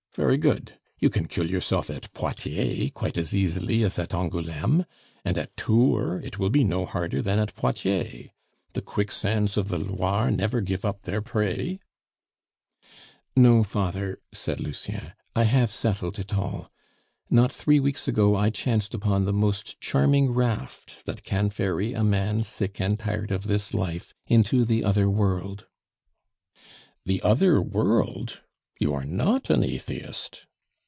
Very good. You can kill yourself at Poitiers quite as easily as at Angouleme, and at Tours it will be no harder than at Poitiers. The quicksands of the Loire never give up their prey " "No, father," said Lucien; "I have settled it all. Not three weeks ago I chanced upon the most charming raft that can ferry a man sick and tired of this life into the other world " "The other world? You are not an atheist."